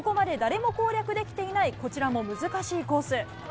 ここまで誰も攻略できていない、こちらも難しいコース。